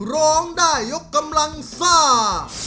ร้องได้โยบกำลังส้า